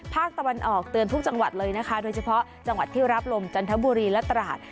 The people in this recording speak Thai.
ภาคตะวันออกเตือนทุกจังหวัดเลยนะคะโดยเฉพาะจังหวัดที่รับลมจันทบุรีและตราด